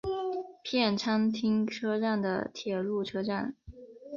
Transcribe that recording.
片仓町车站的铁路车站。